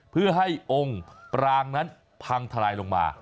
เพื่อให้องค์ปรางนั้นพังทลายลงมา